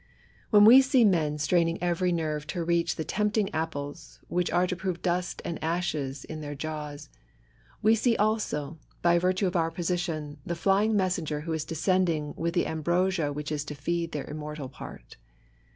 When we see men straining every nerve to reach the tempting apples which are to prove dust and ashes, in their jaws. XIY DEDICATION. we see aieo, by virtue of our/position, the flying messenger who is descending with the ambrosia which is to feed their immortal part.